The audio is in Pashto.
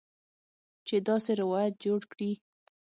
چې داسې روایت جوړ کړي